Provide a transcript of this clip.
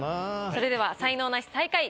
それでは才能ナシ最下位